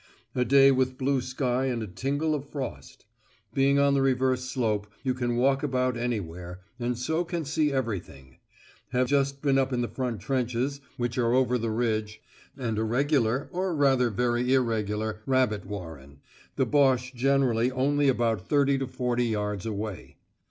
A day with blue sky and a tingle of frost. Being on the reverse slope, you can walk about anywhere, and so can see everything. Have just been up in the front trenches, which are over the ridge, and a regular, or rather very irregular, rabbit warren. The Boche generally only about thirty to forty yards away.